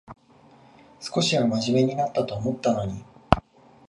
少しはまじめになったと思ったのに